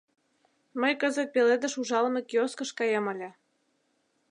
— Мый кызыт пеледыш ужалыме киоскыш каем ыле.